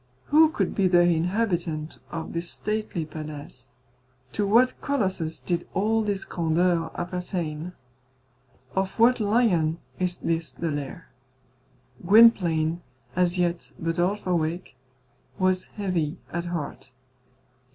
Who could be the inhabitant of this stately palace? To what colossus did all this grandeur appertain? Of what lion is this the lair? Gwynplaine, as yet but half awake, was heavy at heart.